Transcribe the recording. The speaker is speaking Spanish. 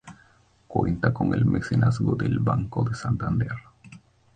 Cuenta con el mecenazgo de Banco Santander.